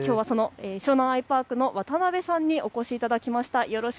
湘南アイパークの渡辺さんにお越しいただきました。